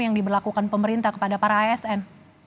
yang diberlakukan pemerintah kepada para asn